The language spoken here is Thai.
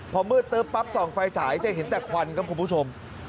พอมืดตึ๊บปั๊บส่องไฟฉายจะเห็นแต่ควันครับคุณผู้ชม